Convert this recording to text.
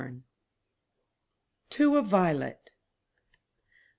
TO A VIOLET.